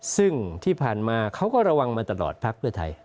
ซึ่งที่ผ่านมาเขาก็ระวังมาตลอดพักเพื่อไทย